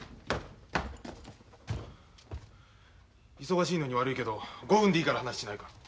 忙しいのに悪いけど５分でいいから話しないか。